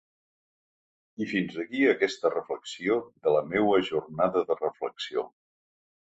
I fins aquí aquesta reflexió de la meua jornada de reflexió.